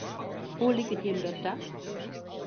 Hoe liket jim dat ta?